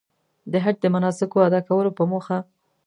د حج د مناسکو ادا کولو په موخه.